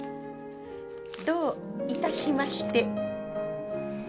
どういたしまして。